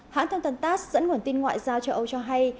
hãng thông tần tass dẫn nguồn tin ngoại giao cho âu cho hay